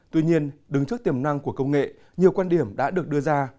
tuy nhiên đứng trước tiềm năng của công nghệ nhiều quan điểm đã được đưa ra